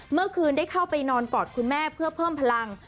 เมื่อคืนได้เข้าไปนอนกอดคุณแม่เพื่อเพิ่มพลัง